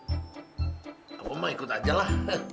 apa emang ikut aja lah